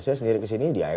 saya sendiri kesini diy